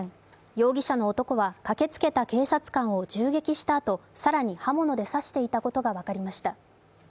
容疑者の男は駆けつけた警察官を銃撃したあと更に刃物で刺していたことが分かりました。